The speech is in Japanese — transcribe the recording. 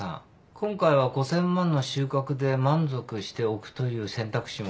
今回は５，０００万の収穫で満足しておくという選択肢も。